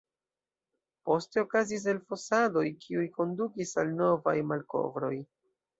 Poste okazis elfosadoj, kiuj kondukis al novaj malkovroj.